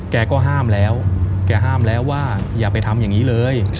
แกก็ห้ามแล้วแกห้ามแล้วว่าอย่าไปทำอย่างนี้เลย